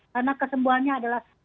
karena kesembuhannya adalah